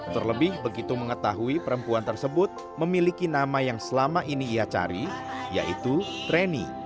terlebih begitu mengetahui perempuan tersebut memiliki nama yang selama ini ia cari yaitu reni